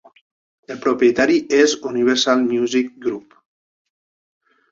El propietari és Universal Music Group.